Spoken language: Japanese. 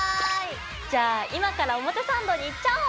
じゃあ今から表参道に行っちゃおう！